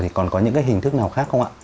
thì còn có những cái hình thức nào khác không ạ